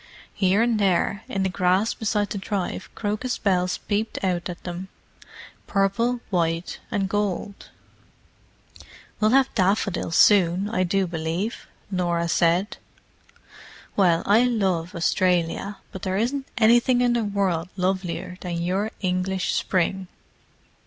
Here and there, in the grass beside the drive crocus bells peeped out at them—purple, white and gold. "We'll have daffodils soon, I do believe," Norah said. "Well, I love Australia, but there isn't anything in the world lovelier than your English spring!"